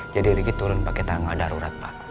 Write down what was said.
jadi riki turun pakai tangga darurat pak